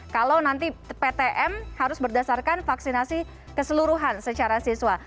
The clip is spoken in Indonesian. kalau nanti ptm harus berdasarkan vaksinasi keseluruhan secara siswa